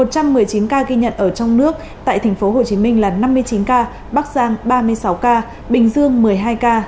trong một mươi chín ca ghi nhận ở trong nước tại tp hcm là năm mươi chín ca bắc giang ba mươi sáu ca bình dương một mươi hai ca